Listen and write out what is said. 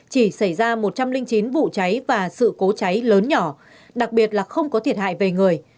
chỉ xảy ra một trăm linh chín vụ cháy và sự cố cháy lớn nhỏ đặc biệt là không có thiệt hại về người